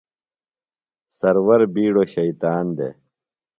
سرور بِیڈوۡ شیطان دےۡ۔